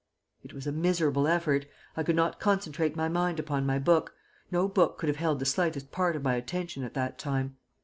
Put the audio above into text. It was a miserable effort. I could not concentrate my mind upon my book no book could have held the slightest part of my attention at that time.